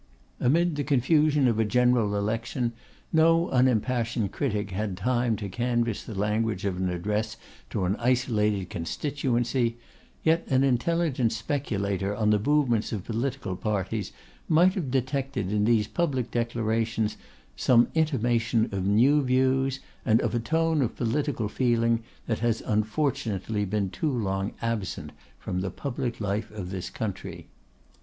Amid the confusion of a general election, no unimpassioned critic had time to canvass the language of an address to an isolated constituency; yet an intelligent speculator on the movements of political parties might have detected in these public declarations some intimation of new views, and of a tone of political feeling that has unfortunately been too long absent from the public life of this country.